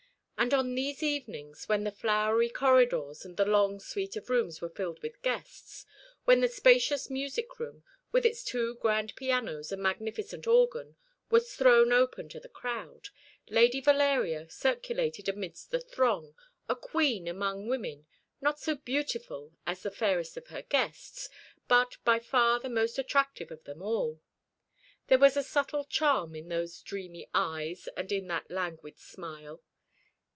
And on these evenings, when the flowery corridors and the long suite of rooms were filled with guests, when the spacious music room, with its two grand pianos and magnificent organ, was thrown open to the crowd, Lady Valeria circulated amidst the throng, a queen among women, not so beautiful as the fairest of her guests, but by far the most attractive of them all. There was a subtle charm in those dreamy eyes and in that languid smile.